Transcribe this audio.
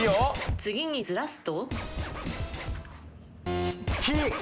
次にずらすと？